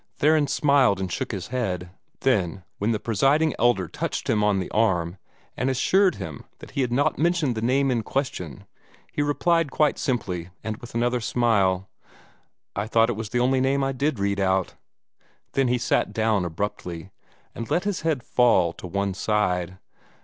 Theron smiled and shook his head. Then, when the Presiding Elder touched him on the arm, and assured him that he had not mentioned the name in question, he replied quite simply, and with another smile, "I thought it was the only name I did read out." Then he sat down abruptly, and let his head fall to one side.